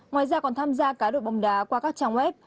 ngoài ra còn tham gia cá độ bóng đá qua các trang web